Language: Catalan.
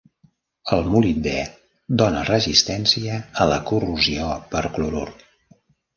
El molibdè dona resistència a la corrosió per clorur.